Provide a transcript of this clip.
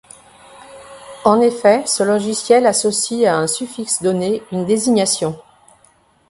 En effet, ce logiciel associe à un suffixe donné une désignation.